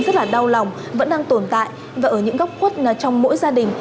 rất là đau lòng vẫn đang tồn tại và ở những góc khuất trong mỗi gia đình